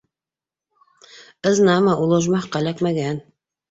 Ызнамо, ул ожмахҡа эләкмәгән.